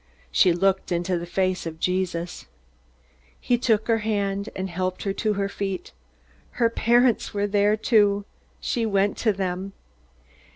She looked into the face of Jesus. He took her hand, and helped her to her feet. Her parents were there too. She went to them.